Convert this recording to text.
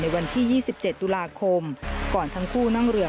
วันที่๒๗ตุลาคมก่อนทั้งคู่นั่งเรือ